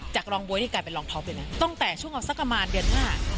รองบ๊วยนี่กลายเป็นรองท็อปเลยนะตั้งแต่ช่วงเอาสักประมาณเดือนห้า